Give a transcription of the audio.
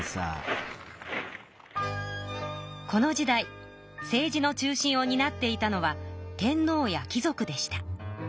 この時代政治の中心をになっていたのは天皇や貴族でした。